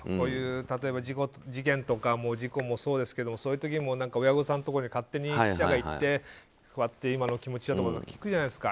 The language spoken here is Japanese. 例えば事件とか事故もそうですけどそういう時も親御さんのところに勝手に記者が行って今のお気持ちは？とか聞くじゃないですか。